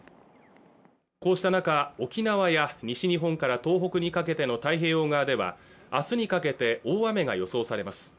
こうした中、沖縄や西日本から東北にかけての太平洋側ではあすにかけて大雨が予想されます